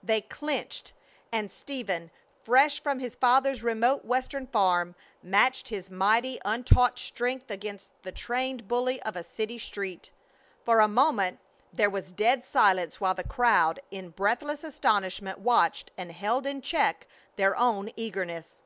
They clinched, and Stephen, fresh from his father's remote Western farm, matched his mighty, untaught strength against the trained bully of a city street. For a moment there was dead silence while the crowd in breathless astonishment watched and held in check their own eagerness.